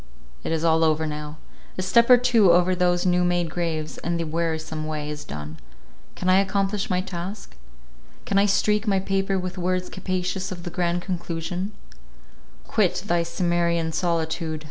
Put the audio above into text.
it is all over now—a step or two over those new made graves, and the wearisome way is done. Can I accomplish my task? Can I streak my paper with words capacious of the grand conclusion? Arise, black Melancholy! quit thy Cimmerian solitude!